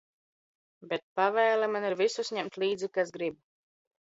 Bet pavēle man ir visus ņemt līdzi, kas grib.